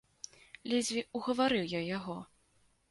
Ледзьве угаварыў я яго.